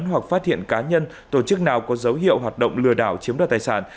hoặc phát hiện cá nhân tổ chức nào có dấu hiệu hoạt động lừa đảo chiếm đoạt tài sản